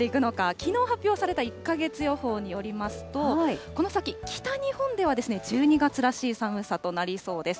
きのう発表された１か月予報によりますと、この先、北日本では１２月らしい寒さとなりそうです。